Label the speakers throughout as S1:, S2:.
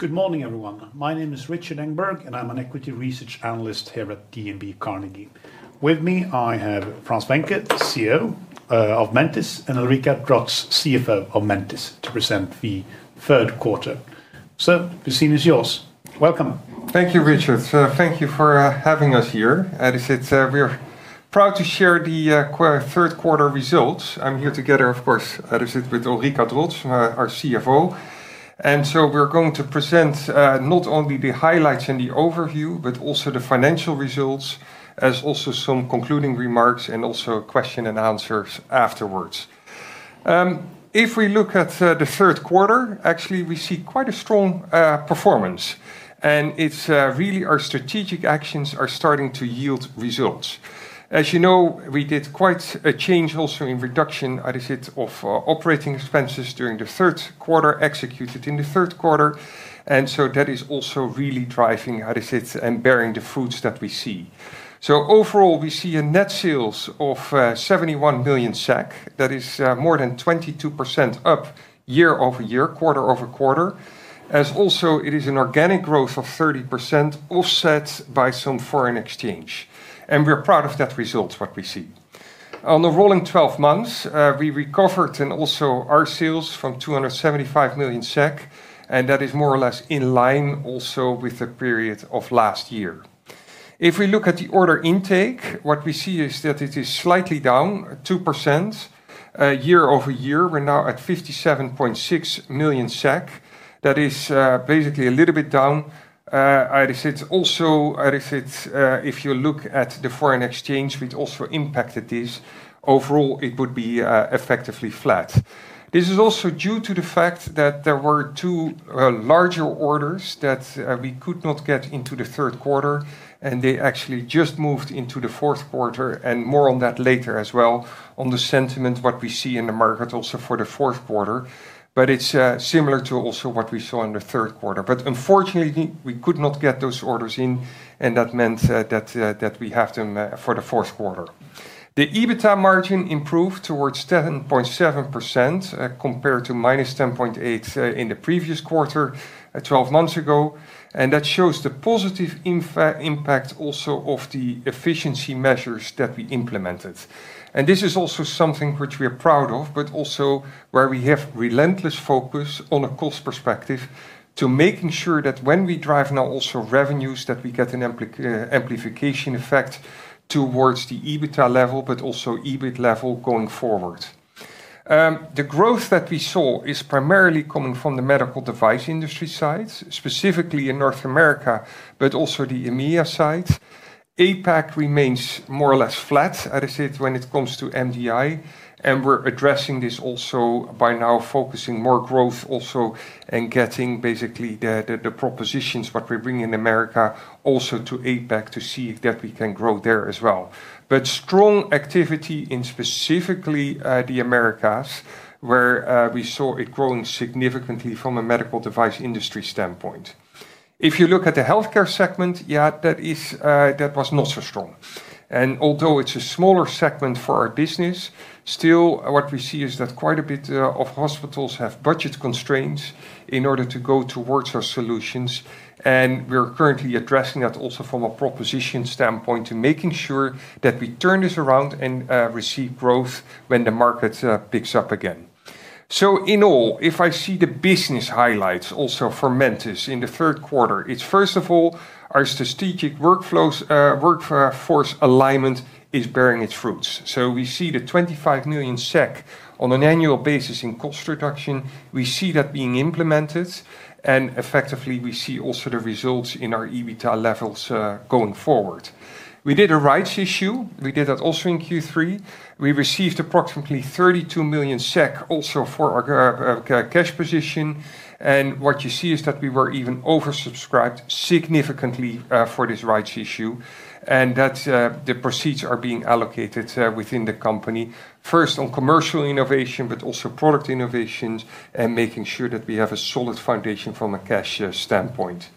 S1: Good morning, everyone. My name is Richard Engberg, and I'm an equity research analyst here at DNB Carnegie. With me I have Frans Venker, CEO of Mentice, and Ulrika Drotz, CFO of Mentice, to present the third quarter. So, the scene is yours. Welcome.
S2: Thank you, Richard. Thank you for having us here. As I said, we're proud to share the third quarter results. I'm here together, of course, as I said, with Ulrika Drotz, our CFO. And so we're going to present not only the highlights and the overview, but also the financial results, as well as some concluding remarks and also questions and answers afterwards. If we look at the third quarter, actually, we see quite a strong performance, and it's really our strategic actions that are starting to yield results. As you know, we did quite a change also in reduction, as I said, of operating expenses during the third quarter, executed in the third quarter. And so that is also really driving, as I said, and bearing the fruits that we see. So overall, we see a net sales of 71 million SEK. That is more than 22% up year over year, quarter over quarter. As also, it is an organic growth of 30% offset by some foreign exchange. And we're proud of that result, what we see. On the rolling 12 months, we recovered and also our sales from 275 million SEK, and that is more or less in line also with the period of last year. If we look at the order intake, what we see is that it is slightly down, 2%. Year over year, we're now at 57.6 million SEK. That is basically a little bit down. As I said, also, as I said, if you look at the foreign exchange, which also impacted this, overall, it would be effectively flat. This is also due to the fact that there were two larger orders that we could not get into the third quarter, and they actually just moved into the fourth quarter. And more on that later as well on the sentiment, what we see in the market also for the fourth quarter. But it's similar to also what we saw in the third quarter. But unfortunately, we could not get those orders in, and that meant that we have them for the fourth quarter. The EBITDA margin improved towards 10.7% compared to minus 10.8% in the previous quarter, 12 months ago. And that shows the positive impact also of the efficiency measures that we implemented. And this is also something which we are proud of, but also where we have relentless focus on a cost perspective to making sure that when we drive now also revenues, that we get an amplification effect towards the EBITDA level, but also EBIT level going forward. The growth that we saw is primarily coming from the medical device industry side, specifically in North America, but also the EMEA side. APAC remains more or less flat, as I said, when it comes to MDI. And we're addressing this also by now focusing more growth also and getting basically the propositions, what we bring in America also to APAC to see if that we can grow there as well. But strong activity in specifically the Americas where we saw it growing significantly from a medical device industry standpoint. If you look at the healthcare segment, yeah, that was not so strong. And although it's a smaller segment for our business, still what we see is that quite a bit of hospitals have budget constraints in order to go towards our solutions. And we're currently addressing that also from a proposition standpoint to making sure that we turn this around and receive growth when the market picks up again. So in all, if I see the business highlights also for Mantis in the third quarter, it's first of all our strategic workforce alignment is bearing its fruits. So we see the 25 million SEK on an annual basis in cost reduction. We see that being implemented. And effectively, we see also the results in our EBITDA levels going forward. We did a rights issue. We did that also in Q3. We received approximately 32 million SEK also for our cash position. And what you see is that we were even oversubscribed significantly for this rights issue. And that the proceeds are being allocated within the company first on commercial innovation, but also product innovations and making sure that we have a solid foundation from a cash standpoint.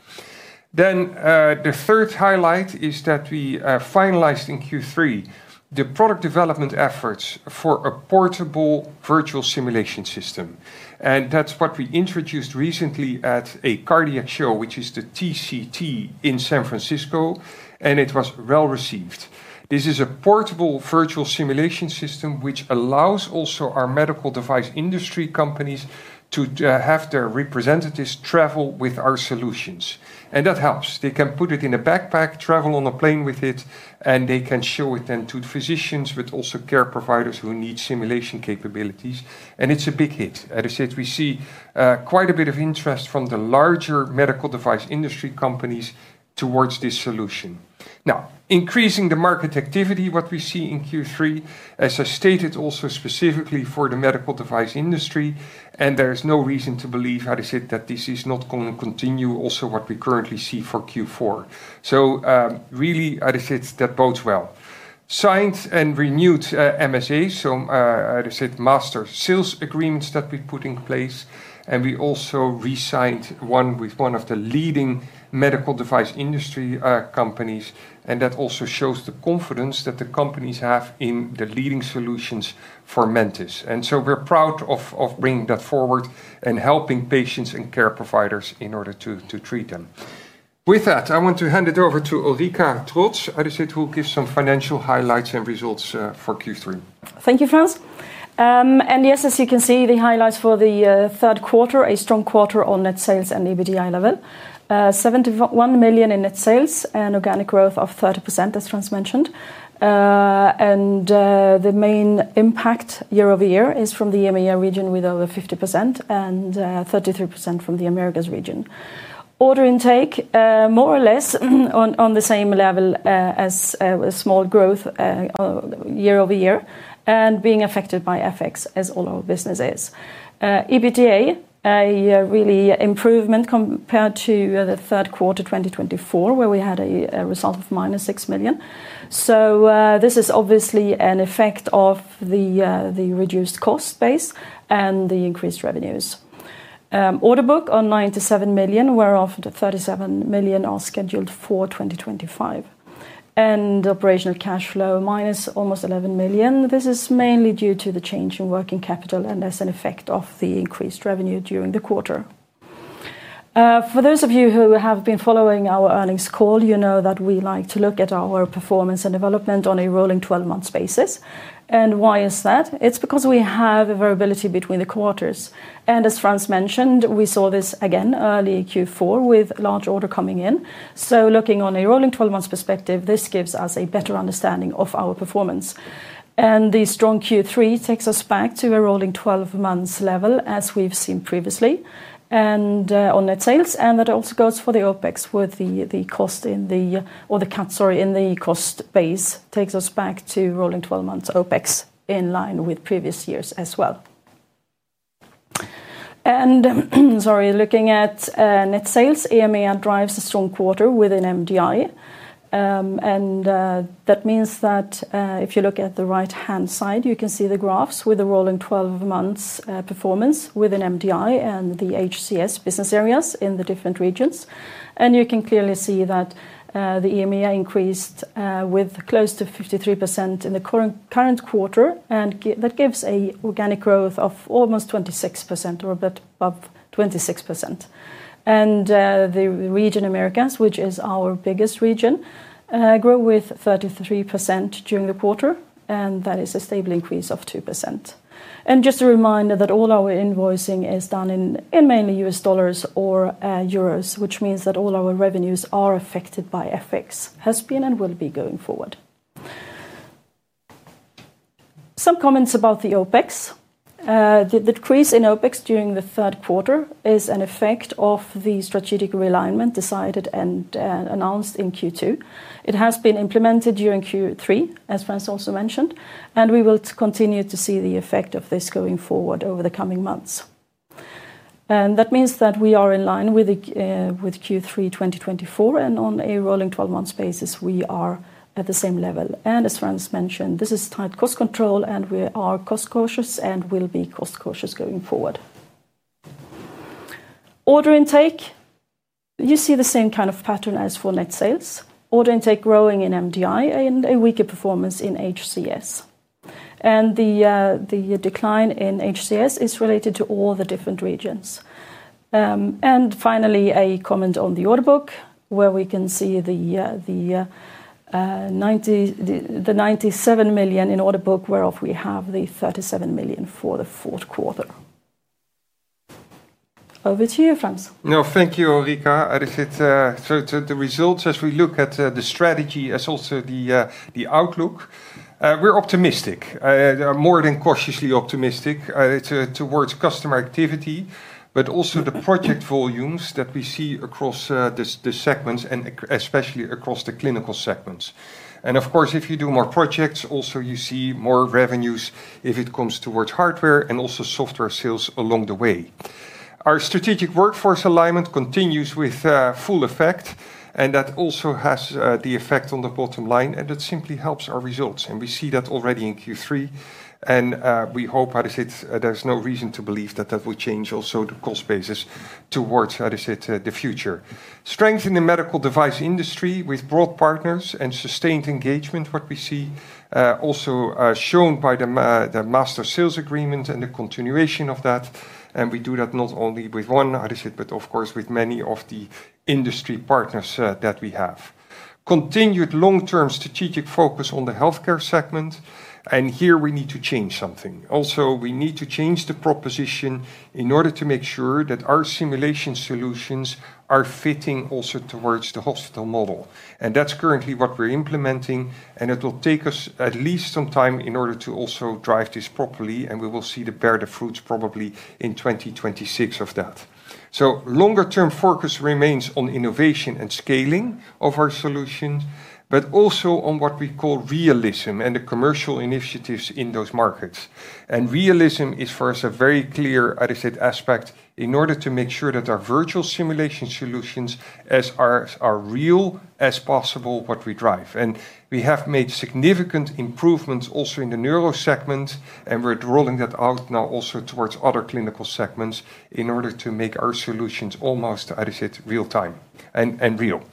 S2: Then the third highlight is that we finalized in Q3 the product development efforts for a portable virtual simulation system. And that's what we introduced recently at a cardiac show, which is the TCT in San Francisco. And it was well received. This is a portable virtual simulation system which allows also our medical device industry companies to have their representatives travel with our solutions. And that helps. They can put it in a backpack, travel on a plane with it, and they can show it then to physicians, but also care providers who need simulation capabilities. And it's a big hit. As I said, we see quite a bit of interest from the larger medical device industry companies towards this solution. Now, increasing the market activity, what we see in Q3, as I stated, also specifically for the medical device industry. And there is no reason to believe, as I said, that this is not going to continue also what we currently see for Q4. So really, as I said, that bodes well. Signed and renewed MSAs, so as I said, master sales agreements that we put in place. And we also re-signed one with one of the leading medical device industry companies. And that also shows the confidence that the companies have in the leading solutions for Mantis. And so we're proud of bringing that forward and helping patients and care providers in order to treat them. With that, I want to hand it over to Ulrika Drotz, as I said, who gives some financial highlights and results for Q3.
S3: Thank you, Frans. And yes, as you can see, the highlights for the third quarter, a strong quarter on net sales and EBITDA level. 71 million in net sales and organic growth of 30%, as Frans mentioned. And the main impact year over year is from the EMEA region with over 50% and 33% from the Americas region. Order intake, more or less on the same level as a small growth. Year over year and being affected by FX, as all our business is. EBITDA, a really improvement compared to the third quarter 2024, where we had a result of minus 6 million. So this is obviously an effect of the reduced cost base and the increased revenues. Order book on 97 million, whereof 37 million are scheduled for 2025. And operational cash flow, minus almost 11 million. This is mainly due to the change in working capital and as an effect of the increased revenue during the quarter. For those of you who have been following our earnings call, you know that we like to look at our performance and development on a rolling 12-month basis. And why is that? It's because we have a variability between the quarters. And as Frans mentioned, we saw this again early Q4 with large order coming in. So looking on a rolling 12-month perspective, this gives us a better understanding of our performance. And the strong Q3 takes us back to a rolling 12-month level, as we've seen previously. And on net sales, and that also goes for the OPEX with the cost in the, or the cut, sorry, in the cost base, takes us back to rolling 12-month OPEX in line with previous years as well. And sorry, looking at net sales, EMEA drives a strong quarter within MDI. And that means that if you look at the right-hand side, you can see the graphs with the rolling 12-month performance within MDI and the HCS business areas in the different regions. And you can clearly see that the EMEA increased with close to 53% in the current quarter. And that gives an organic growth of almost 26% or a bit above 26%. And the region Americas, which is our biggest region. Grew with 33% during the quarter. And that is a stable increase of 2%. And just a reminder that all our invoicing is done in mainly US dollars or euros, which means that all our revenues are affected by FX, has been and will be going forward. Some comments about the OPEX. The decrease in OPEX during the third quarter is an effect of the strategic realignment decided and announced in Q2. It has been implemented during Q3, as Frans also mentioned. And we will continue to see the effect of this going forward over the coming months. And that means that we are in line with. Q3 2024. And on a rolling 12-month basis, we are at the same level. And as Frans mentioned, this is tight cost control, and we are cost cautious and will be cost cautious going forward. Order intake. You see the same kind of pattern as for net sales. Order intake growing in MDI and a weaker performance in HCS. And the. Decline in HCS is related to all the different regions. And finally, a comment on the order book where we can see the. 97 million in order book whereof we have the 37 million for the fourth quarter. Over to you, Frans.
S2: No, thank you, Ulrika. As I said, so the results, as we look at the strategy, as also the outlook, we're optimistic. More than cautiously optimistic towards customer activity, but also the project volumes that we see across the segments and especially across the clinical segments. And of course, if you do more projects, also you see more revenues if it comes towards hardware and also software sales along the way. Our strategic workforce alignment continues with full effect, and that also has the effect on the bottom line, and it simply helps our results. And we see that already in Q3. And we hope, as I said, there's no reason to believe that that will change also the cost basis towards, as I said, the future. Strength in the medical device industry with broad partners and sustained engagement, what we see also shown by the master sales agreement and the continuation of that. And we do that not only with one, as I said, but of course with many of the industry partners that we have. Continued long-term strategic focus on the healthcare segment. And here we need to change something. Also, we need to change the proposition in order to make sure that our simulation solutions are fitting also towards the hospital model. And that's currently what we're implementing. And it will take us at least some time in order to also drive this properly. And we will see the better fruits probably in 2026 of that. So longer-term focus remains on innovation and scaling of our solutions, but also on what we call realism and the commercial initiatives in those markets. And realism is for us a very clear, as I said, aspect in order to make sure that our virtual simulation solutions are as real as possible what we drive. And we have made significant improvements also in the neuro segment. And we're rolling that out now also towards other clinical segments in order to make our solutions almost, as I said, real-time and real.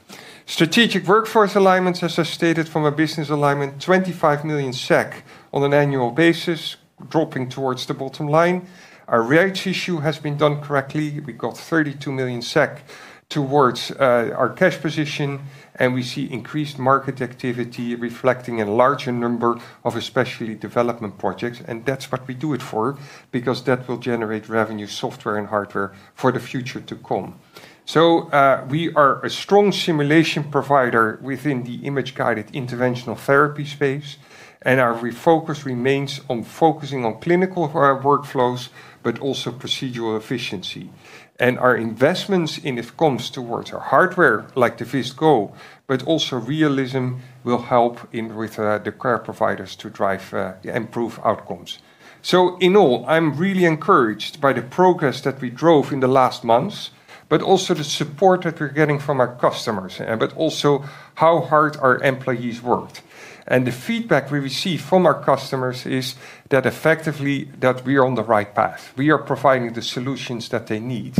S2: Strategic workforce alignment, as I stated from a business alignment, 25 million SEK on an annual basis, dropping towards the bottom line. Our rights issue has been done correctly. We got 32 million SEK towards our cash position. And we see increased market activity reflecting a larger number of especially development projects. And that's what we do it for because that will generate revenue, software, and hardware for the future to come. So we are a strong simulation provider within the image-guided interventional therapy space. And our focus remains on focusing on clinical workflows, but also procedural efficiency. And our investments in it comes towards our hardware like the VistGo, but also realism will help with the care providers to drive improved outcomes. So in all, I'm really encouraged by the progress that we drove in the last months, but also the support that we're getting from our customers, but also how hard our employees worked. And the feedback we receive from our customers is that effectively that we are on the right path. We are providing the solutions that they need.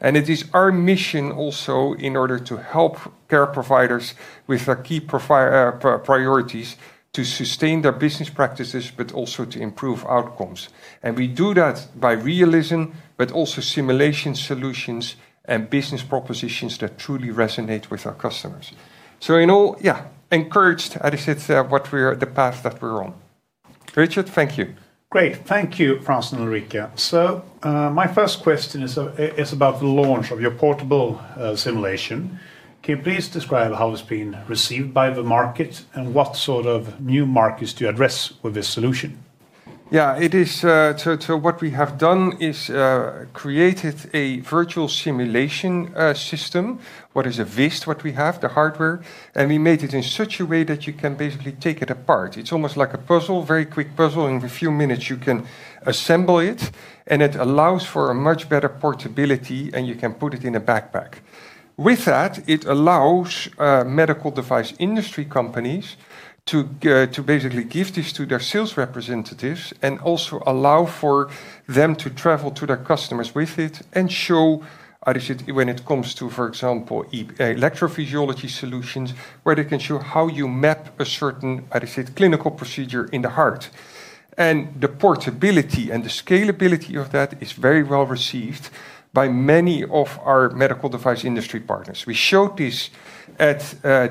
S2: And it is our mission also in order to help care providers with the key priorities to sustain their business practices, but also to improve outcomes. And we do that by realism, but also simulation solutions and business propositions that truly resonate with our customers. So in all, yeah, encouraged, as I said, what we're the path that we're on. Richard, thank you.
S1: Great. Thank you, Frans and Ulrika. So my first question is about the launch of your portable simulation. Can you please describe how it's been received by the market and what sort of new markets do you address with this solution?
S2: Yeah, it is so what we have done is created a virtual simulation system, what is a Vist what we have, the hardware. And we made it in such a way that you can basically take it apart. It's almost like a puzzle, very quick puzzle. In a few minutes, you can assemble it. And it allows for a much better portability, and you can put it in a backpack. With that, it allows medical device industry companies to basically give this to their sales representatives and also allow for them to travel to their customers with it and show, as I said, when it comes to, for example, electrophysiology solutions where they can show how you map a certain, as I said, clinical procedure in the heart. And the portability and the scalability of that is very well received by many of our medical device industry partners. We showed this at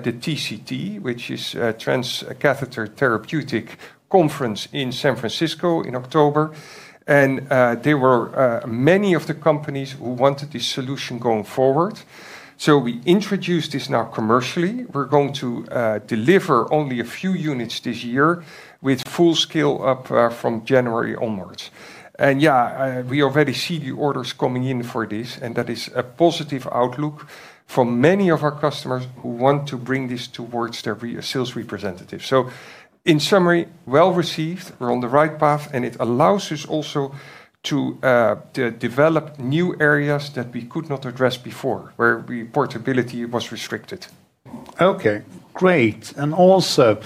S2: the TCT, which is a transcatheter therapeutic conference in San Francisco in October. And there were many of the companies who wanted this solution going forward. So we introduced this now commercially. We're going to deliver only a few units this year with full scale up from January onwards. And yeah, we already see the orders coming in for this. And that is a positive outlook for many of our customers who want to bring this towards their sales representatives. So in summary, well received. We're on the right path. And it allows us also to. Develop new areas that we could not address before where portability was restricted.
S1: Okay, great. And also,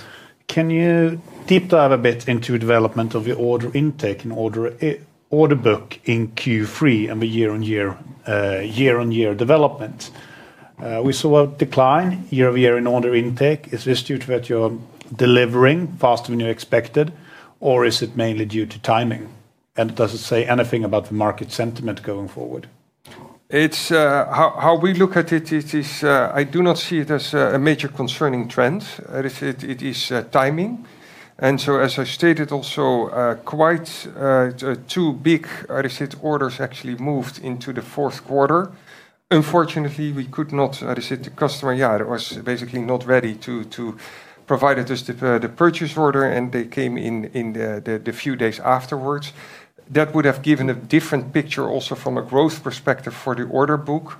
S1: can you deep dive a bit into development of your order intake and order book in Q3 and the year-on-year. Development? We saw a decline year-over-year in order intake. Is this due to that you're delivering faster than you expected, or is it mainly due to timing? And does it say anything about the market sentiment going forward?
S2: It's how we look at it. I do not see it as a major concerning trend. It is timing. And so, as I stated, also quite. Two big, as I said, orders actually moved into the fourth quarter. Unfortunately, we could not, as I said, the customer, yeah, it was basically not ready to provide us the purchase order. And they came in the few days afterwards. That would have given a different picture also from a growth perspective for the order book.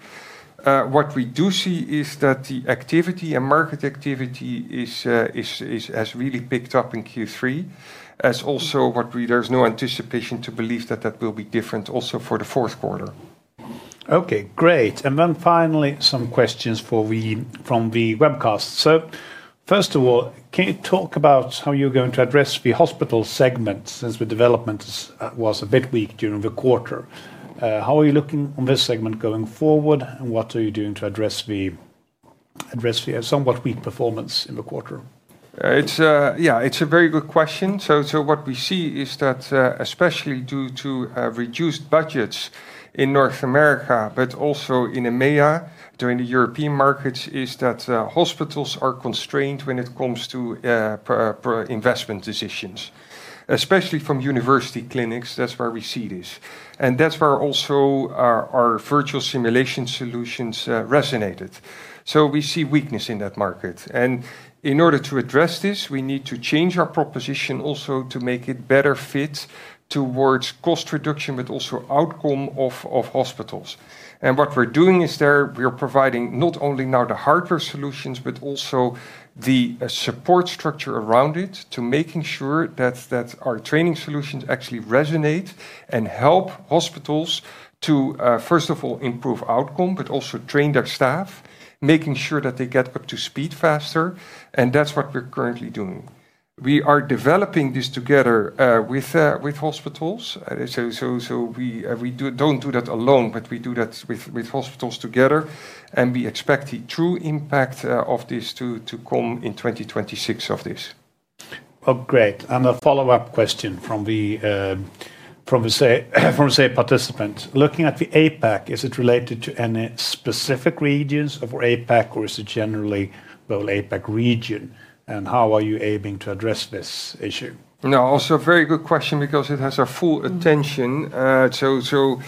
S2: What we do see is that the activity and market activity has really picked up in Q3, as also what we, there's no anticipation to believe that that will be different also for the fourth quarter.
S1: Okay, great. And then finally, some questions from the webcast. So first of all, can you talk about how you're going to address the hospital segment since the development was a bit weak during the quarter? How are you looking on this segment going forward? And what are you doing to address the. Somewhat weak performance in the quarter?
S2: Yeah, it's a very good question. So what we see is that especially due to reduced budgets in North America, but also in EMEA during the European markets, is that hospitals are constrained when it comes to. Investment decisions, especially from university clinics. That's where we see this. And that's where also our virtual simulation solutions resonated. So we see weakness in that market. And in order to address this, we need to change our proposition also to make it better fit towards cost reduction, but also outcome of hospitals. And what we're doing is there, we're providing not only now the hardware solutions, but also the support structure around it to making sure that our training solutions actually resonate and help hospitals to, first of all, improve outcome, but also train their staff, making sure that they get up to speed faster. And that's what we're currently doing. We are developing this together with hospitals. So we don't do that alone, but we do that with hospitals together. And we expect the true impact of this to come in 2026 of this.
S1: Well, great. And a follow-up question from. A participant. Looking at the APAC, is it related to any specific regions of APAC, or is it generally the APAC region? And how are you aiming to address this issue?
S2: No, also a very good question because it has a full attention. So.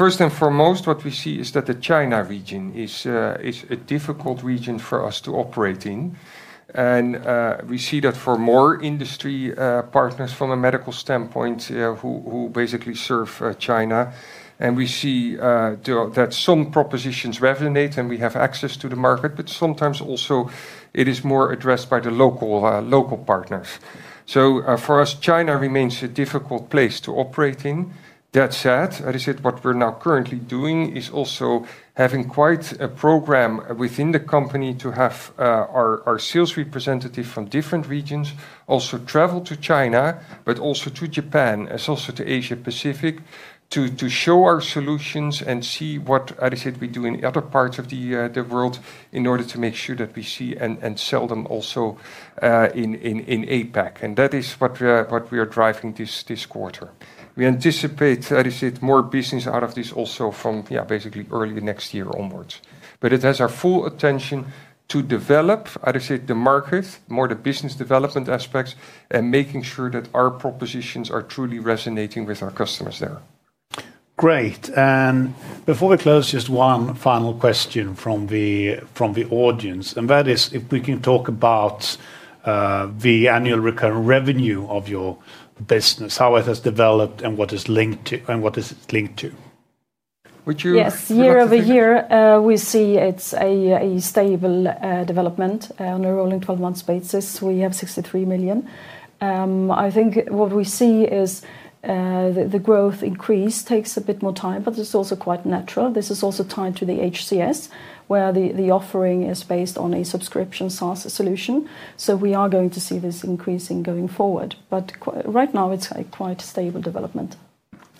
S2: First and foremost, what we see is that the China region is a difficult region for us to operate in. And we see that for more industry partners from a medical standpoint who basically serve China. And we see. That some propositions resonate and we have access to the market, but sometimes also it is more addressed by the local partners. So for us, China remains a difficult place to operate in. That said, as I said, what we're now currently doing is also having quite a program within the company to have our sales representative from different regions also travel to China, but also to Japan, as also to Asia-Pacific, to show our solutions and see what, as I said, we do in other parts of the world in order to make sure that we see and sell them also. In APAC. And that is what we are driving this quarter. We anticipate, as I said, more business out of this also from, yeah, basically early next year onwards. But it has our full attention to develop, as I said, the market, more the business development aspects, and making sure that our propositions are truly resonating with our customers there.
S1: Great. And before we close, just one final question from the audience. And that is if we can talk about. The annual recurring revenue of your business, how it has developed and what is linked to and what is it linked to?
S3: Yes, year over year, we see it's a stable development on a rolling 12-month basis. We have 63 million. I think what we see is. The growth increase takes a bit more time, but it's also quite natural. This is also tied to the HCS, where the offering is based on a subscription SaaS solution. So we are going to see this increasing going forward. But right now, it's quite a stable development.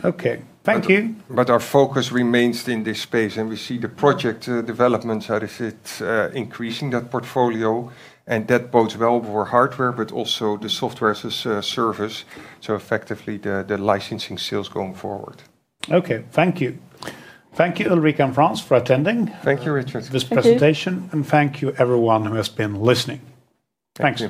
S1: Okay, thank you.
S2: But our focus remains in this space. And we see the project developments, as I said, increasing that portfolio. And that bodes well for hardware, but also the software as a service. So effectively the licensing sales going forward.
S1: Okay, thank you. Thank you, Ulrika and Frans, for attending.
S2: Thank you, Richard.
S1: This presentation. And thank you everyone who has been listening. Thanks.